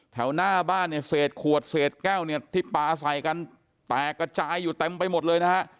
แถวหน้าบ้านเนี่ยเศษขวดเศษแก้วเนี่ยที่ปลาใส่กันแตกกระจายอยู่เต็มไปหมดเลยนะฮะ